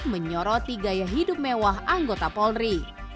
menyoroti gaya hidup mewah anggota polri